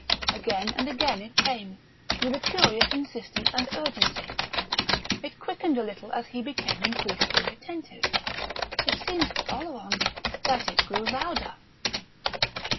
Again and again it came, with a curious insistence and urgency. It quickened a little as he became increasingly attentive ... it seemed to Oleron that it grew louder....